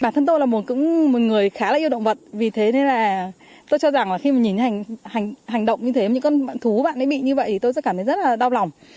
khi mà nhìn hành động như thế những con thú bạn ấy bị như vậy tôi sẽ cảm thấy rất là đau lòng